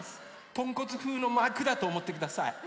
とんこつふうのまくだとおもってください。